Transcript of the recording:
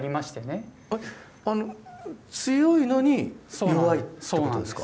強いのに弱いってことですか。